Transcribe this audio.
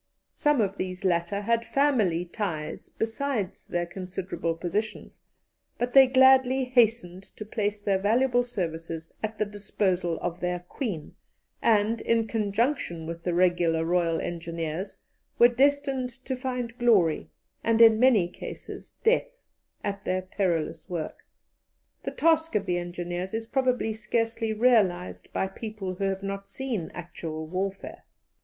Some of these latter had family ties besides their considerable positions, but they gladly hastened to place their valuable services at the disposal of their Queen, and, in conjunction with the regular Royal Engineers, were destined to find glory, and in many cases death, at their perilous work. The task of the engineers is probably scarcely realized by people who have not seen actual warfare.